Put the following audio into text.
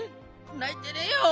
ないてねえよ！